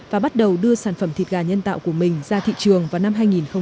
và bắt đầu đưa sản phẩm thịt gà nhân tạo của mình ra thị trường vào năm hai nghìn hai mươi